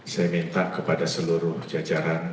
saya minta kepada seluruh jajaran